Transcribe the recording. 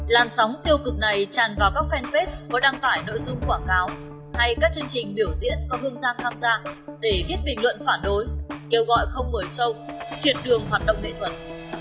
làn sóng tiêu cực này tràn vào các fanpage có đăng tải nội dung quảng cáo hay các chương trình biểu diễn có hương giang tham gia để viết bình luận phản đối kêu gọi không đổi sâu triệt đường hoạt động nghệ thuật